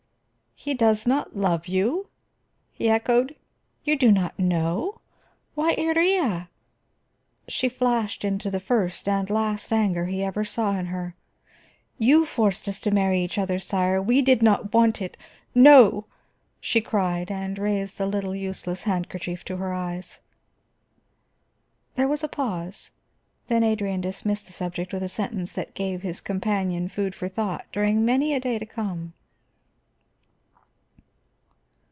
"He does not love you?" he echoed. "You do not know? Why, Iría " She flashed into the first and last anger he ever saw in her. "You forced us to marry each other, sire. We did not want it, no!" she cried, and raised the little, useless handkerchief to her eyes. There was a pause, then Adrian dismissed the subject with a sentence that gave his companion food for thought during many a day to come.